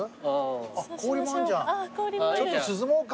ちょっと涼もうか。